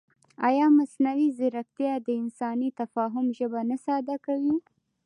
ایا مصنوعي ځیرکتیا د انساني تفاهم ژبه نه ساده کوي؟